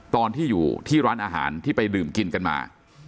ตอนที่อยู่ที่ร้านอาหารที่ไปดื่มกินกันมา